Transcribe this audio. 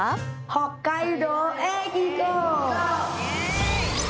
北海道へ行こう！